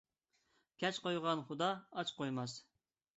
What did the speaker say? كەچ قويغان خۇدا ئاچ قويماس.